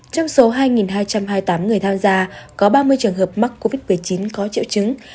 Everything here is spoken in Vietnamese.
trong số hai hai trăm hai mươi tám người tham gia có ba mươi trường hợp mắc covid một mươi chín có triệu chứng